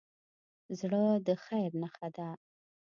زړه د خیر نښه ده.